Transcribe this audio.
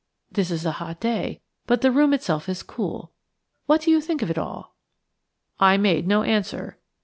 This is a hot day, but the room itself is cool. What do you think of it all?" I made no answer.